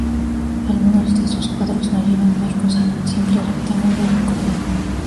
Algunos de sus cuadros no llevan marcos, sino un simple rectángulo de color.